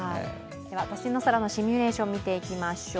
都心の空のシミュレーション見ていきましょう。